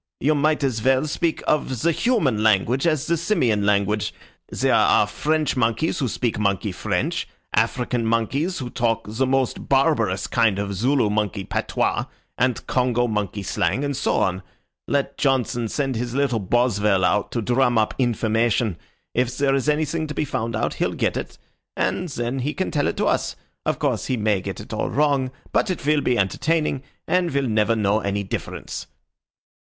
You might as well speak of the human language as the Simian language. There are French monkeys who speak monkey French, African monkeys who talk the most barbarous kind of Zulu monkey patois, and Congo monkey slang, and so on. Let Johnson send his little Boswell out to drum up information. If there is anything to be found out he'll get it, and then he can tell it to us. Of course he may get it all wrong, but it will be entertaining, and we'll never know any difference."